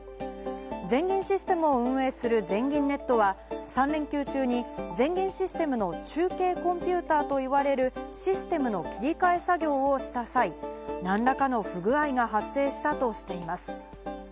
全銀システムを運営する全銀ネットは、３連休中に全銀システムの中継コンピューターといわれるシステムの切り替え作業をした際、何らかの不具合が発生したとしています。